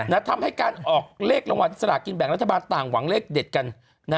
ทำให้การออกเลขรางวัลสลากินแบ่งรัฐบาลต่างหวังเลขเด็ดกัน